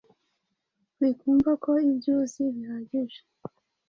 Wikumva ko ibyo uzi bihagije